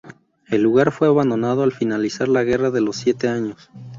El lugar fue abandonado al finalizar la Guerra de los Siete Años.